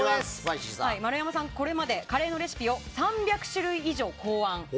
丸山さん、これまでカレーレシピ３００種類以上考案。